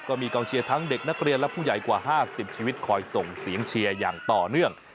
ก็มีกองเชียร์ทั้งเด็กนักเรียนและผู้ใหญ่กว่า๕๐ชีวิตคอยส่งเสียงเชียร์อย่างต่อเนื่อง